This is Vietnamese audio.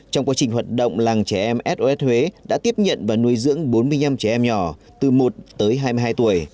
trong quá trình hoạt động làng trẻ em sos huế đã tiếp nhận và nuôi dưỡng bốn mươi năm trẻ em nhỏ từ một tới hai mươi hai tuổi